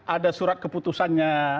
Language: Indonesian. ada surat keputusannya